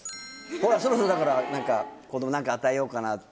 ほらそろそろだから子ども何か与えようかなって。